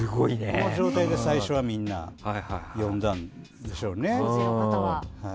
この状態で、最初はみんな読んだんでしょうね。